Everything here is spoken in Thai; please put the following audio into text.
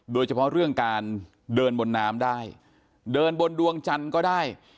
โดยเฉพาะเรื่องการเดินบนน้ำได้เดินบนดวงจันทร์ก็ได้